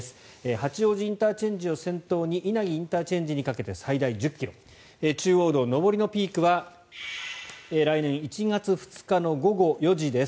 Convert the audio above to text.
八王子ＩＣを先頭に稲城ＩＣにかけて最大１０ｋｍ中央道上りのピークは来年１月２日の午後４時です。